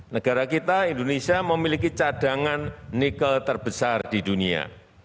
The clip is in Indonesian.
negara kita indonesia memiliki cadangan nikel terbesar di dunia